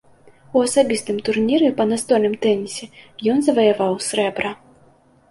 У асабістым турніры па настольным тэнісе ён заваяваў срэбра.